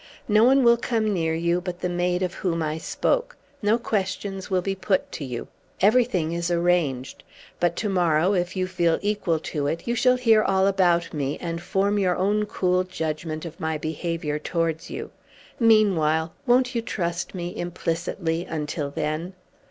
No one will come near you but the maid of whom I spoke; no questions will be put to you; everything is arranged. But to morrow, if you feel equal to it, you shall hear all about me, and form your own cool judgment of my behavior towards you. Meanwhile won't you trust me implicitly until then?"